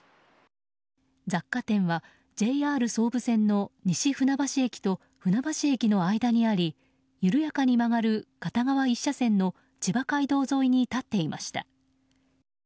雑貨店はＪＲ総武線の西船橋駅と船橋駅の間にあり緩やかに曲がる片側１車線の千葉街道沿いに立っていました。